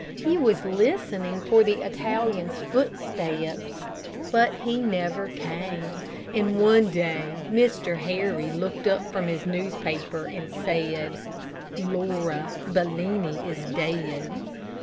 He was listening for the Italian's footsteps, but he never came, and one day Mr. Harry looked up from his newspaper and said, "Laura, Bellini is dead."